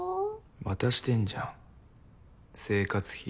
渡してんじゃん生活費。